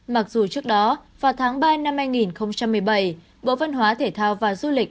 mặc dù trước đó vào tháng ba năm hai nghìn một mươi bảy bộ văn hóa thể thao và du lịch